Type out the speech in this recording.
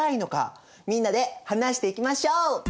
みんなで話していきましょう！